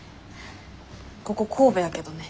ここ神戸やけどね。